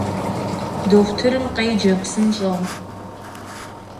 Дохутырым къеджэ псынщӏэу!